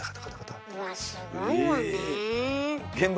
わあすごいわね。